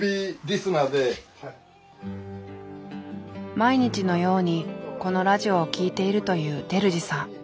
毎日のようにこのラジオを聴いているという照次さん。